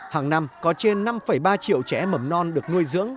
hàng năm có trên năm ba triệu trẻ mầm non được nuôi dưỡng